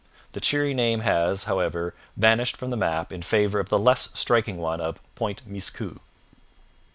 The cheery name has, however, vanished from the map in favour of the less striking one of Point Miscou.